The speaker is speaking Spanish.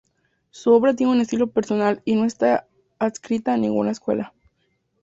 Su obra tiene un estilo personal y no está adscrita a ninguna escuela.